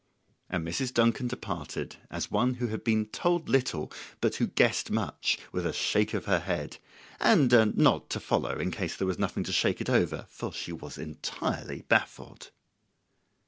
And Mrs. Duncan departed as one who had been told little but who guessed much, with a shake of her head, and a nod to follow in case there was nothing to shake it over; for she was entirely baffled.